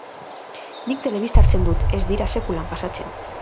Nik telebista hartzen dut, ez dira sekulan pasatzen.